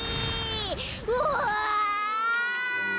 うわ！